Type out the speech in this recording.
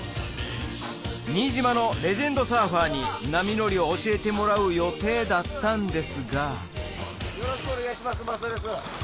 新島のレジェンドサーファーに波乗りを教えてもらう予定だったんですがよろしくお願いします増田です。